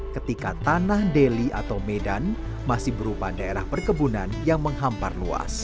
ketika tanah deli atau medan masih berupa daerah perkebunan yang menghampar luas